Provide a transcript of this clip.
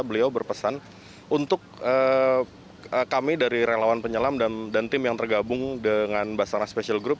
beliau berpesan untuk kami dari relawan penyelam dan tim yang tergabung dengan basarnas special group